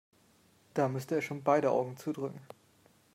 Da müsste er schon beide Augen zudrücken.